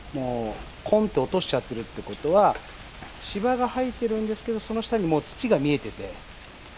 こんって落としちゃってるっていうことは、芝が生えているんですけどその下に土が見えてて。